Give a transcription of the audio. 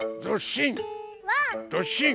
どっしん！